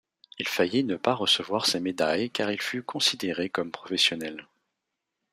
Il faillit ne pas recevoir ses médailles car il fut considéré comme professionnel.